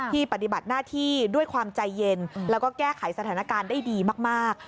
ปฏิบัติหน้าที่ด้วยความใจเย็นแล้วก็แก้ไขสถานการณ์ได้ดีมาก